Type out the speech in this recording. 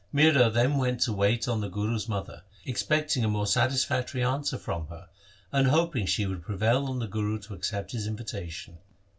Mihra then went to wait on the Guru's mother, expecting a more satisfactory answer from her, and hoping she would prevail on the Guru to accept his invitation.